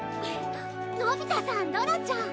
のび太さんドラちゃん。